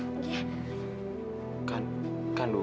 kita harus pendarah dulu